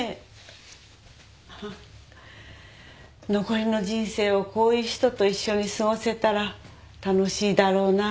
残りの人生をこういう人と一緒に過ごせたら楽しいだろうなと思ったの。